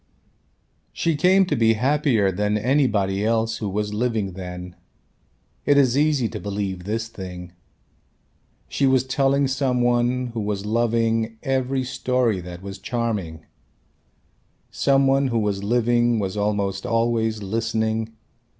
She came to be happier than anybody else who was living then. It is easy to believe this thing. She was telling some one, who was loving every story that was charming. Some one who was living was almost always listening.